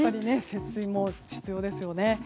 節水も必要ですよね。